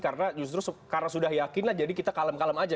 karena justru karena sudah yakin lah jadi kita kalem kalem aja